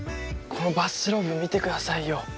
このバスローブ見てくださいよ！